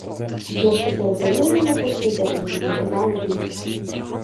Nastupuje zejména na postu defenzivního záložníka.